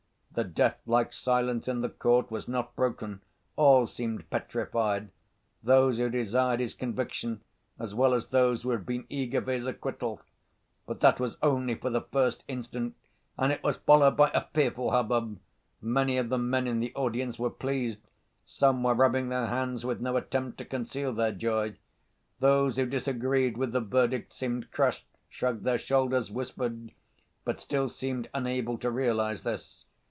The deathlike silence in the court was not broken—all seemed petrified: those who desired his conviction as well as those who had been eager for his acquittal. But that was only for the first instant, and it was followed by a fearful hubbub. Many of the men in the audience were pleased. Some were rubbing their hands with no attempt to conceal their joy. Those who disagreed with the verdict seemed crushed, shrugged their shoulders, whispered, but still seemed unable to realize this.